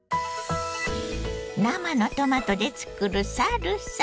生のトマトで作るサルサ。